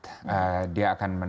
menurut saya akan sulit